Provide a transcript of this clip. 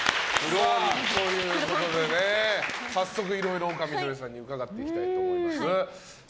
早速いろいろ丘みどりさんに伺っていきたいと思います。